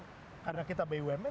perkembangan industri pertahanan